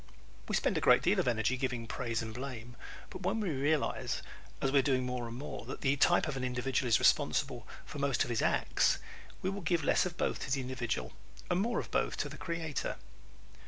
We spend a great deal of energy giving praise and blame but when we realize as we are doing more and more that the type of an individual is responsible for most of his acts, we will give less of both to the individual and more of both to the Creator.